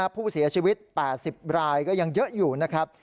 ผู้เสียชีวิต๘๐รายก็ยังเยอะอยู่นะครับ